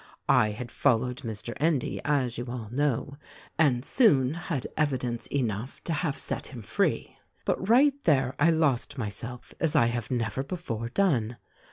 "I had followed Mr. Endy, as you all know, and soon had evidence enough to have set him free ; but right there I lost myself as I have never before done.